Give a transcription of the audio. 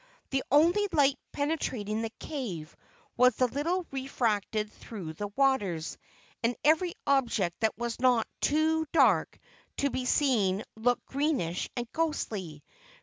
The only light penetrating the cave was the little refracted through the waters, and every object that was not too dark to be seen looked greenish and ghostly.